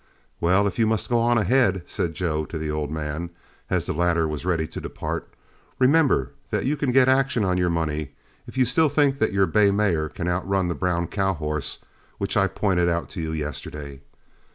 "Well, if you must go on ahead," said Joe to the old man, as the latter was ready to depart, "remember that you can get action on your money, if you still think that your bay mare can outrun that brown cow horse which I pointed out to you yesterday.